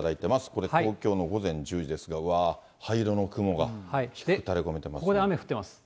これ、東京の午前１０時ですが、うわー、ここで雨降ってます。